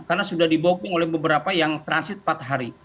karena sudah dibopong oleh beberapa yang transit empat hari